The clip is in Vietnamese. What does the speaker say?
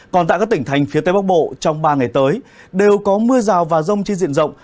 còn tại các tỉnh thành phía tây bắc bộ trong ba ngày tới đều có mưa rào và rông trên diện rộng